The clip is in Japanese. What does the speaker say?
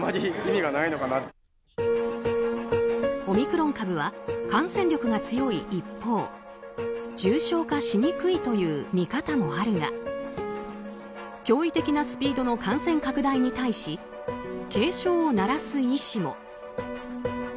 オミクロン株は感染力が強い一方重症化しにくいという見方もあるが驚異的なスピードの感染拡大に対し警鐘を鳴らす医師も。